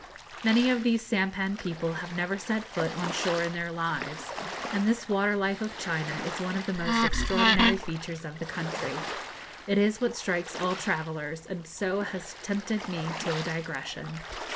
Many of these sampan people have never set foot on shore in their lives, and this water life of China is one of the most extraordinary features of the country. It is what strikes all travellers, and so has tempted me to a digression.